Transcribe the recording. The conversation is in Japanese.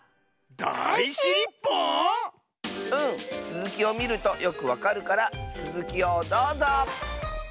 つづきをみるとよくわかるからつづきをどうぞ！